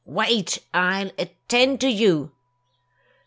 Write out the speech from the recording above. Wait! I'll attend to you."